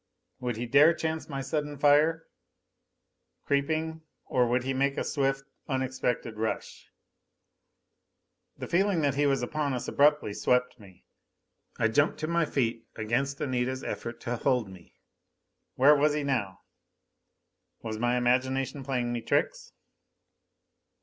Would he dare chance my sudden fire? Creeping or would he make a swift, unexpected rush? The feeling that he was upon us abruptly swept me. I jumped to my feet, against Anita's effort to hold me. Where was he now? Was my imagination playing me tricks?...